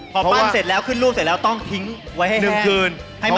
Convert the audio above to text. พอเปิ้ลเสร็จไม่แล้วต้องทิ้งให้แถมให้มัด